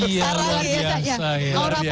iya luar biasa